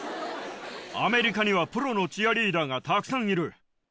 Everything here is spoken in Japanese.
アメリカにはプロのチアリーダーがたくさんいる。